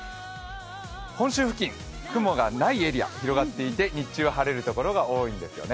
本州付近、雲がないエリア広がっていて日中は晴れる所が多いんですよね。